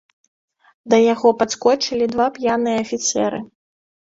Да яго падскочылі два п'яныя афіцэры.